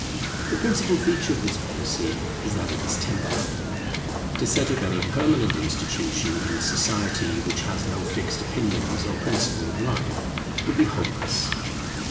The principal feature of this policy is that it is temporary. To set up any permanent institution in a society which has no fixed opinions or principles of life, would be hopeless.